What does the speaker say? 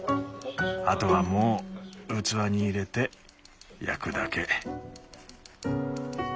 あとはもう器に入れて焼くだけ。